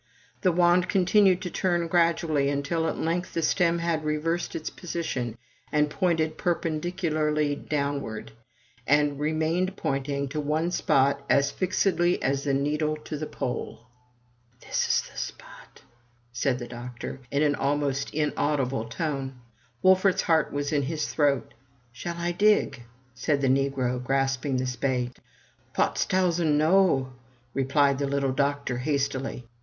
The wand continued to turn gradually, until at length the stem had reversed its position, and pointed perpendicularly downward, and remained pointing to one spot as fixedly as the needle to the pole. This is the spot!*' said the doctor, in an almost inaudible tone. Wolfert's heart was in his throat. "Shall I dig? said the negro, grasping the spade. ''Pots tausendy noF' repHed the little doctor, hastily.